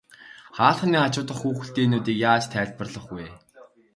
Хаалганы хажуу дахь хүүхэлдэйнүүдийг яаж тайлбарлах вэ?